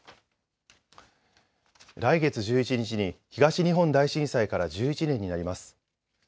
来月１１日に東日本大震災から１１年になります。